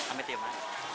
amit ya pak